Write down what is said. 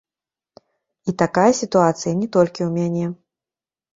І такая сітуацыя не толькі ў мяне.